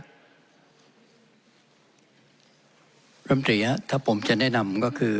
บ๊วยบริษัทธรรมดิเตรียถ้าผมจะแนะนำก็คือ